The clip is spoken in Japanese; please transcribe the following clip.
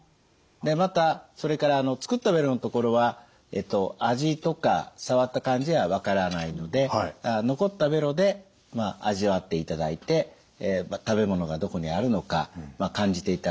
またそれから作ったベロの所は味とか触った感じは分からないので残ったベロで味わっていただいて食べ物がどこにあるのか感じていただくことになります。